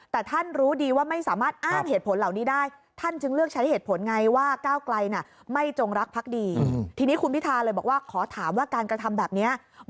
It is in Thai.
แต่ท่านรู้ดีว่าไม่สามารถอ้างเหตุผลเหล่านี้ได้